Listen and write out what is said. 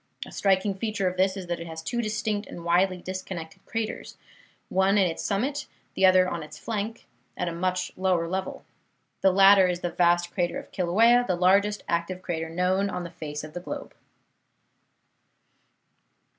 A striking feature of this is that it has two distinct and widely disconnected craters, one on its summit, the other on its flank, at a much lower level. The latter is the vast crater of Kilauea, the largest active crater known on the face of the globe.